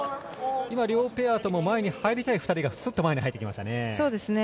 両ペアとも前に入りたい２人がすっと前に入ってきましたね。